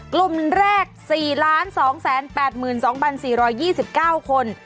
กลุ่มแรก๔๒๘๒๔๒๙คน